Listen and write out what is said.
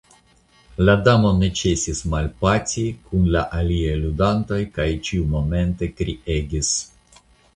La Damo ne ĉesis malpaci kun la aliaj ludantoj kaj ĉiumomente kriegis.